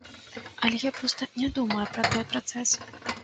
Але я проста не думаю пра той працэс.